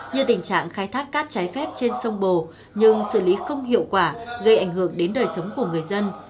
như tình trạng khai thác cát trái phép trên sông bồ nhưng xử lý không hiệu quả gây ảnh hưởng đến đời sống của người dân